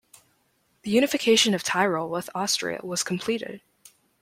The unification of Tyrol with Austria was completed.